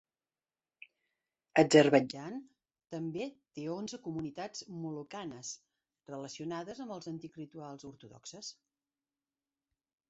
Azerbaidjan també té onze comunitats molokanes relacionades amb els antics rituals ortodoxes.